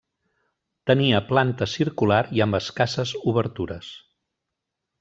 Tenia planta circular i amb escasses obertures.